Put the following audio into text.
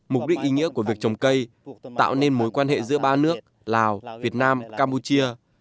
mục đích ý nghĩa của việc trồng cây tạo nên mối quan hệ giữa ba nước lào việt nam campuchia